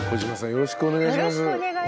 よろしくお願いします。